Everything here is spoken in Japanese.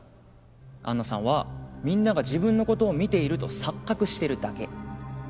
杏奈さんはみんなが自分のことを見ていると錯覚してるだけ。